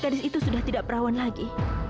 gadis itu sudah tidak perawan lagi